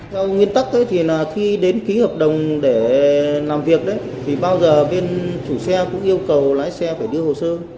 theo nguyên tắc thì khi đến ký hợp đồng để làm việc thì bao giờ bên chủ xe cũng yêu cầu lái xe phải đưa hồ sơ